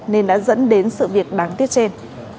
nên đã dẫn đến sự việc đáng tiếc trên